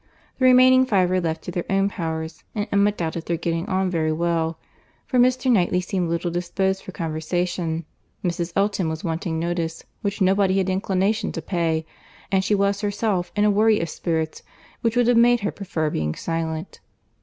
The remaining five were left to their own powers, and Emma doubted their getting on very well; for Mr. Knightley seemed little disposed for conversation; Mrs. Elton was wanting notice, which nobody had inclination to pay, and she was herself in a worry of spirits which would have made her prefer being silent.